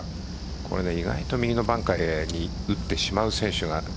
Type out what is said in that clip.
意外と右のバンカーで打ってしまう選手がいる。